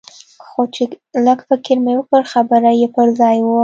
خو چې لږ فکر مې وکړ خبره يې پر ځاى وه.